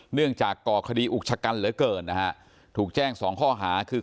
เนื่องจากก่อคดีอุกชะกันเหลือเกินนะฮะถูกแจ้งสองข้อหาคือ